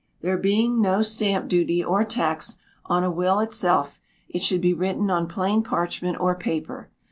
There being no Stamp Duty, or tax, on a will itself, it should be written on plain parchment or paper.